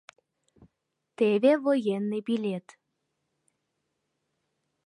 Теве военный билет...